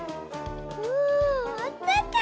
ああったかい！